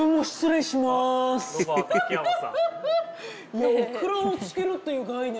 いやオクラを漬けるっていう概念